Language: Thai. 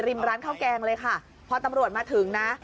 ร้านข้าวแกงเลยค่ะพอตำรวจมาถึงนะ